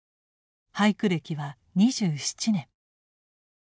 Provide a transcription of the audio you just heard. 俳句歴は２７年。